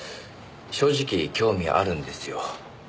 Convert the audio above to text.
正直興味あるんですよ。